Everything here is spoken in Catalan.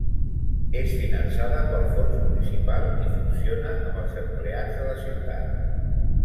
És finançada pels fons municipals i funciona amb els empleats de la ciutat.